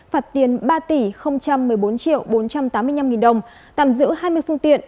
phạt tiền ba tỷ một mươi bốn triệu bốn trăm tám mươi năm nghìn đồng tạm giữ hai mươi phương tiện